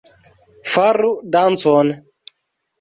Faru dancon